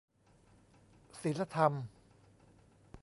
ศีลธรรม